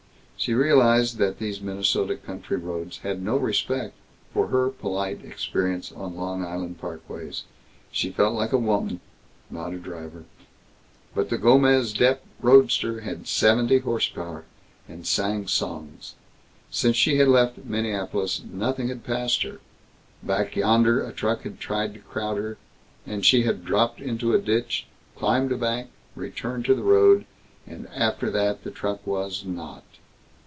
She realized that these Minnesota country roads had no respect for her polite experience on Long Island parkways. She felt like a woman, not like a driver. But the Gomez Dep roadster had seventy horsepower, and sang songs. Since she had left Minneapolis nothing had passed her. Back yonder a truck had tried to crowd her, and she had dropped into a ditch, climbed a bank, returned to the road, and after that the truck was not.